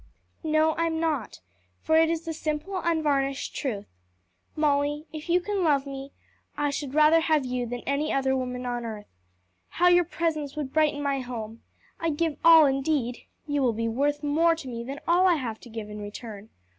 "No, I am not, for it is the simple, unvarnished truth. Molly, if you can love me, I should rather have you than any other woman on earth. How your presence would brighten my home! I give all indeed! you will be worth more to me than all I have to give in return.